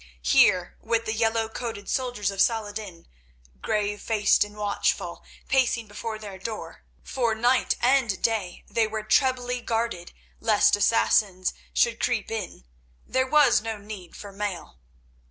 Here, with the yellow coated soldiers of Saladin, grave faced and watchful, pacing before their door—for night and day they were trebly guarded lest Assassins should creep in—there was no need for mail.